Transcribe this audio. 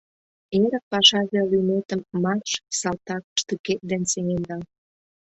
Эрык пашазе лӱметым Марш, салтак, штыкет ден сеҥен нал!